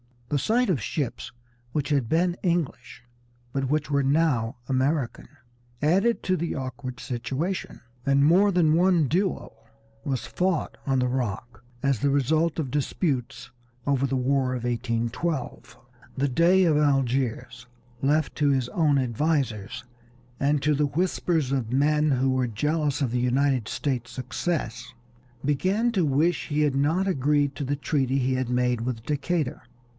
The sight of ships which had been English, but which were now American, added to the awkward situation, and more than one duel was fought on the Rock as the result of disputes over the War of 1812. The Dey of Algiers, left to his own advisers and to the whispers of men who were jealous of the United States' success, began to wish he had not agreed to the treaty he had made with Decatur.